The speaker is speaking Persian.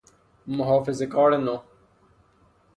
محافظه کار نو